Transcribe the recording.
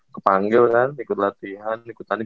kepanggil kan ikut latihan ikut tanding